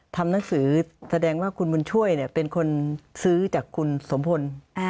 ทำหนังสือแสดงว่าคุณบุญช่วยเป็นคนซื้อจากคุณสมพล